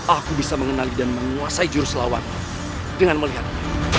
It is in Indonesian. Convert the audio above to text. aku bisa mengenali dan menguasai jurus lawan dengan melihatnya